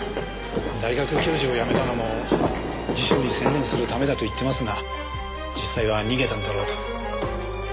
大学教授を辞めたのも辞書に専念するためだと言ってますが実際は逃げたんだろうと。